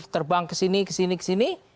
terbang ke sini ke sini ke sini